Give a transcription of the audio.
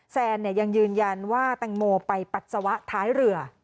แซนเนี่ยยังยืนยันว่าตังโมไปปัจสวะท้ายเรือ